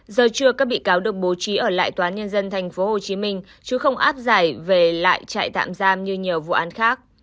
giờ trưa các bị cáo được bố trí ở lại toán nhân dân tp hcm chứ không áp giải về lại trại tạm giam như nhiều vụ án khác